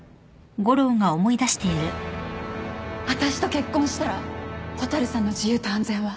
私と結婚したら蛍さんの自由と安全は約束する